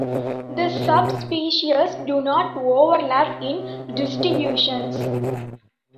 These subspecies do not overlap in distributions.